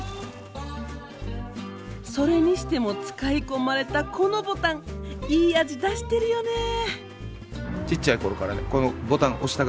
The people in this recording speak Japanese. それにしても使い込まれたこのボタンいい味出してるよねぇ。